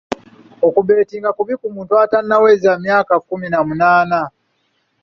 Okubetinga kubi ku muntu atannaweza myaka kkumi na munaana.